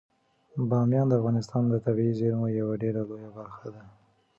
بامیان د افغانستان د طبیعي زیرمو یوه ډیره لویه برخه ده.